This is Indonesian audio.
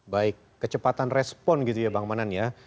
baik kecepatan respon gitu ya bang manan ya